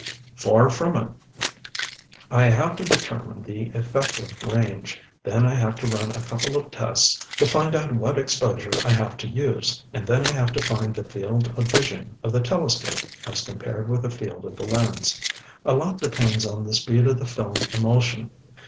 "Far from it. I have to determine the effective range, then I have to run a couple of tests to find out what exposure I have to use, and then I have to find the field of vision of the telescope as compared with the field of the lens. A lot depends on the speed of the film emulsion.